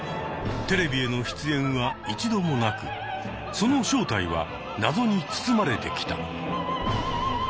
テレビへの出演は一度もなくその正体は謎に包まれてきた。